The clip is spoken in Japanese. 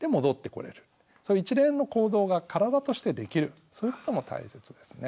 そういう一連の行動が体としてできるそういうことも大切ですね。